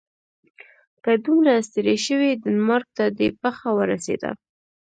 که دومره ستړی شوې ډنمارک ته دې پښه ورسیده.